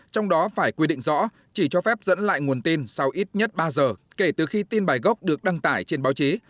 trong đó phải quy định rõ chỉ cho phép dẫn lại nguồn tin sau ít nhất ba giờ kể từ khi tin bài gốc được đăng tải trên báo chí